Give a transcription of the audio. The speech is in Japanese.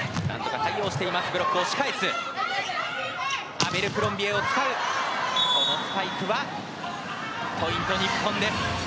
アベルクロンビエのスパイクはポイント、日本。